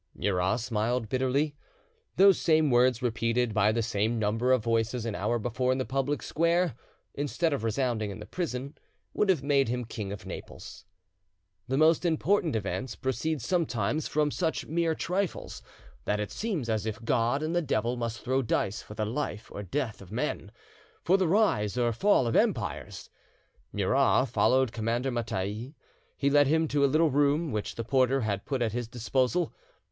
Murat smiled bitterly. Those same words repeated by the same number of voices an hour before in the public square, instead of resounding in the prison, would have made him King of Naples. The most important events proceed sometimes from such mere trifles, that it seems as if God and the devil must throw dice for the life or death of men, for the rise or fall of empires. Murat followed Commander Mattei: he led him to a little room which the porter had put at his disposal.